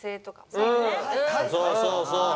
そうそうそう。